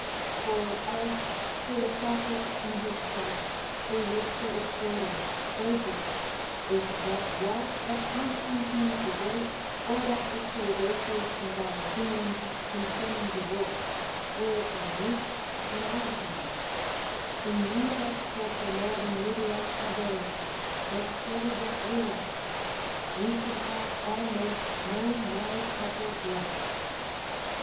For as Felisacus in his tract de justa uxore urgeth, if that law of Constantine the Great, or that of Theodosius and Valentinian, concerning divorce, were in use in our times, innumeras propemodum viduas haberemus, et coelibes viros, we should have almost no married couples left.